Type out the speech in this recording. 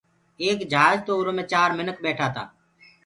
ايڪ جھاجِ تو اُرو جھآجو مي چآر منک ٻيٺآ تآ